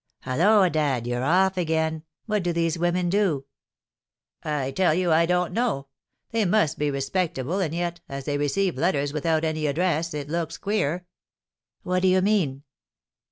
"Halloa, dad! You're off again. What do these women do?" "I tell you I don't know; they must be respectable, and yet, as they receive letters without any address, it looks queer." "What do you mean?"